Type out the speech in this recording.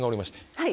はい。